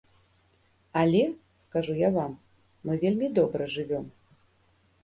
Але, скажу я вам, мы вельмі добра жывём.